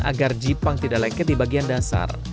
agar jipang tidak lengket di bagian dasar